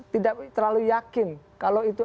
tidak terlalu yakin kalau itu